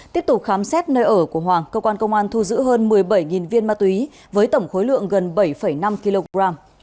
tiếp tục khám xét nơi ở của hoàng cơ quan công an thu giữ hơn một mươi bảy viên ma túy với tổng khối lượng gần bảy năm kg